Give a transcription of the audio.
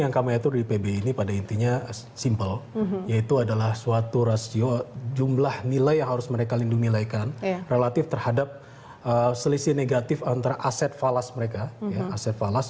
yang kami tentukan sekarang tahap pertama